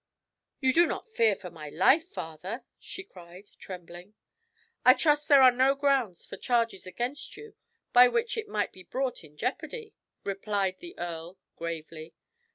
"You do not fear for my life, father?" she cried, trembling. "I trust there are no grounds for charges against you by which it might be brought in jeopardy," replied the earl gravely.